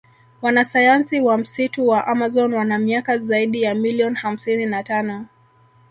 Wanasayansi wa msitu wa amazon wana miaka zaidi ya million hamsini na tano